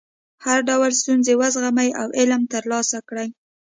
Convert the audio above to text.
هر ډول ستونزې وزغمئ او علم ترلاسه کړئ.